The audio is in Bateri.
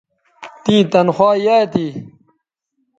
تیں تنخوا یایئ تھی